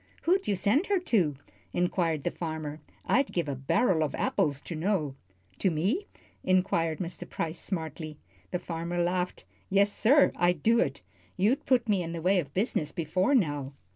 "Who'd you send her to?" inquired the farmer. "I'd give a barrel of apples to know." "To me?" inquired Mr. Price, smartly. The farmer laughed. "Yes, sir I'd do it. You've put me in the way of business before now."